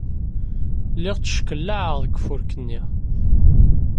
Lliɣ tteckellaɛeɣ deg ufurk-nni.